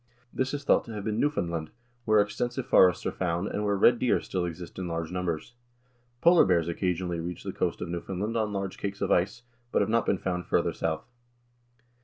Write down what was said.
This is thought to have been Newfoundland, where extensive forests are found, and where red deer still exist in large numbers. Polar bears occasionally reach the coast of Newfoundland on large cakes of ice, but have not been found farther south.